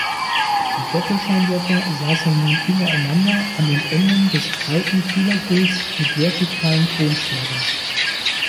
Die Doppelscheinwerfer saßen nun übereinander an den Enden des breiten Kühlergrills mit vertikalen Chromstäben.